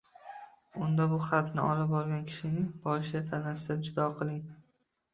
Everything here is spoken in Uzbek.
Unda Bu xatni olib borgan kishining boshini tanasidan judo qiling